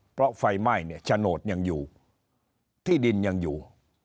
เพราะไฟไหม้เนี่ยโฉนดยังอยู่ที่ดินยังอยู่